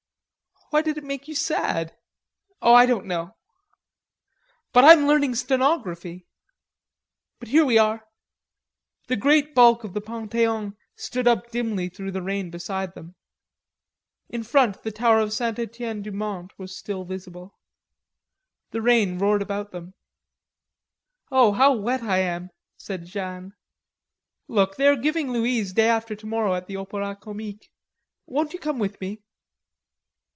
"Why did it make you sad?" "Oh, I don't know.... But I'm learning stenography.... But here we are!" The great bulk of the Pantheon stood up dimly through the rain beside them. In front the tower of St. Etienne du Mont was just visible. The rain roared about them. "Oh, how wet I am!" said Jeanne. "Look, they are giving Louise day after tomorrow at the Opera Comique.... Won't you come; with me?"